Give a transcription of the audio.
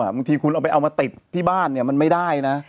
บางทีคุณเอาไปเอามาติดที่บ้านเนี่ยมันไม่ได้นะ